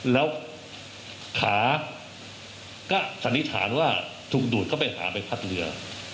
แล้วขาก็สันนิษฐานว่าถูกดูดเข้าไปหาใบพัดเรือ